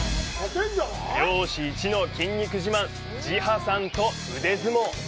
漁師イチの筋肉自慢、ジハさんと腕相撲！